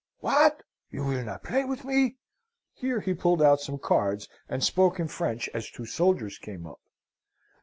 What! You will not play with me?' Here he pulled out some cards, and spoke in French as two soldiers came up.